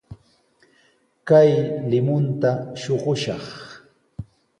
Kay limunta shuqushaq.